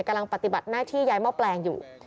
กำลังปฏิบัติหน้าที่ย้ายหม้อแปลงอยู่